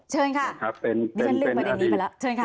เชิญค่ะครับดิฉันเลือกประเด็นนี้ไปแล้วเชิญค่ะ